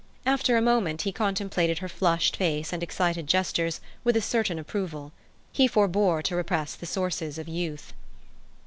After a moment, he contemplated her flushed face and excited gestures with a certain approval. He forebore to repress the sources of youth.